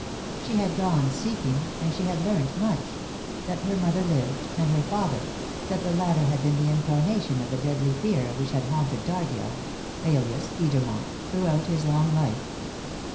She had gone seeking, and she had learnt much: that her mother lived, and her father; that the latter had been the incarnation of the deadly fear which had haunted Dargill, alias Edermont, throughout his long life.